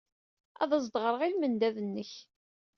Ad as-d-ɣreɣ i lmendad-nnek.